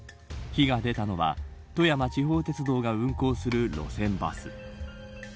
火が出たのは、富山地方鉄道が運行する路線バス。